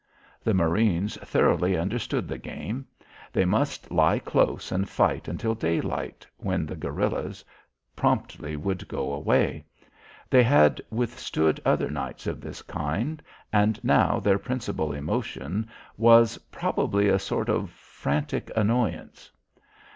The marines thoroughly understood the game. They must lie close and fight until daylight when the guerillas promptly would go away. They had withstood other nights of this kind, and now their principal emotion was probably a sort of frantic annoyance.